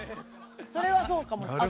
それはそうかも。